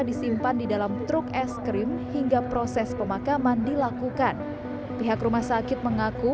disimpan di dalam truk es krim hingga proses pemakaman dilakukan pihak rumah sakit mengaku